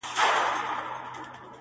تفریح د غم کمولو لاره ده